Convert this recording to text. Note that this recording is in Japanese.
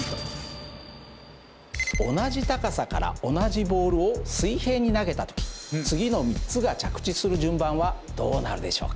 同じ高さから同じボールを水平に投げた時次の３つが着地する順番はどうなるでしょうか？